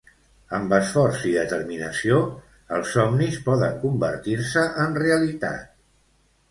Amb esforç i determinació, els somnis poden convertir-se en realitat.